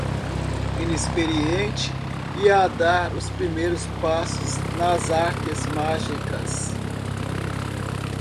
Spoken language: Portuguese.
inexperiente e a dar os primeiros passos nas artes mágicas